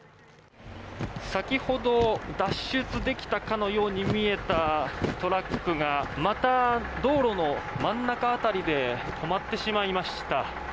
先ほど脱出できたかのように見えたトラックがまた道路の真ん中辺りで止まってしまいました。